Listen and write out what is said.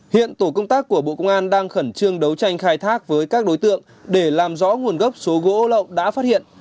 hiện tổ công tác của bộ công an đang khẩn trương đấu tranh khai thác với các đối tượng để làm rõ nguồn gốc số gỗ lậu đã phát hiện